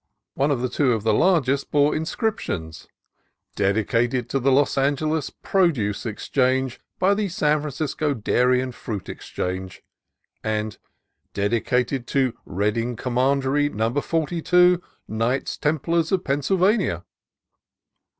One or two of the largest bore inscriptions, — "Dedicated to the Los Angeles Produce Exchange by the San Francisco Dairy and Fruit Exchange"; and "Dedicated to Reading Commandery No. 42 Knights Templars of Pennsylvania."